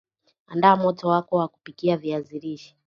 andaa moto wako wa kupikia viazi lishe